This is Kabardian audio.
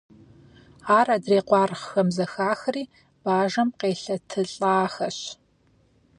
Ар адрей къуаргъхэм зэхахри бажэм къелъэтылӀахэщ.